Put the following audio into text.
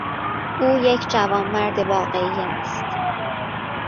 او یک جوانمرد واقعی است.